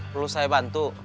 perlu saya bantu